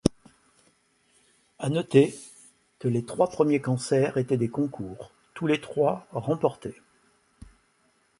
À noter que les trois premiers concerts étaient des concours, tous les trois remportés.